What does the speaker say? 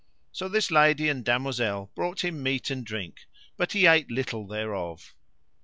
So this lady and damosel brought him meat and drink, but he ate little thereof.